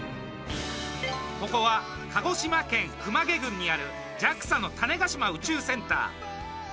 ここは鹿児島県熊毛郡にあるＪＡＸＡの種子島宇宙センター！